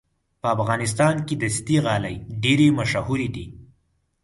په افغانستان کې دستي غالۍ ډېرې مشهورې دي.